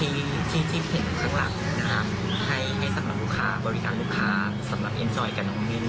ให้สำหรับลูกค้าบริการลูกค้าสำหรับน้องเม่นค่ะ